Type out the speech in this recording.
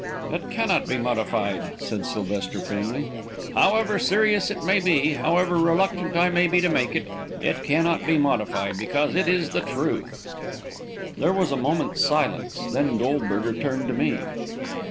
"It cannot be modified," said Sylvester, firmly, "however serious it may be, however reluctant I may be to make it it cannot be modified because it is the truth." There was a moment's silence, then Goldberger turned to me.